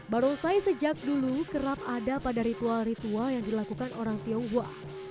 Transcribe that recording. barongsai sejak dulu kerap ada pada ritual ritual yang dilakukan orang tiawa